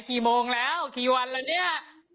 กี่โมงแล้วกี่วันแล้วเนี่ย